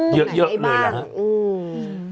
เยอะเลยแล้ว